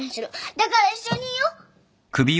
だから一緒にいよう。